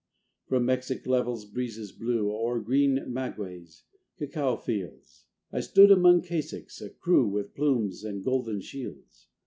From Mexic levels breezes blew O'er green magueys; cacaö fields; I stood among caciques, a crew With plumes and golden shields.